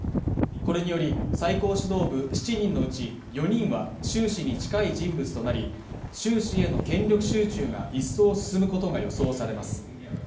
これにより最高指導部７人のうち４人は、習氏に近い人物となり、習氏への権力集中が一層進むことが予想されます。